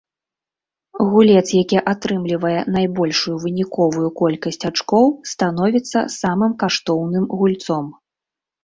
Гулец, які атрымлівае найбольшую выніковую колькасць ачкоў, становіцца самым каштоўным гульцом.